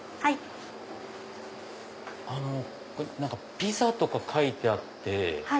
ピザとか書いてあって。